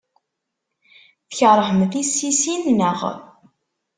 Tkeṛhem tissisin, naɣ?